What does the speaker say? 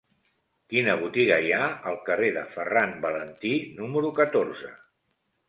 Quina botiga hi ha al carrer de Ferran Valentí número catorze?